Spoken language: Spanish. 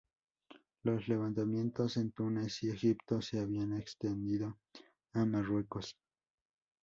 Los levantamientos en Túnez y Egipto se habían extendido a Marruecos.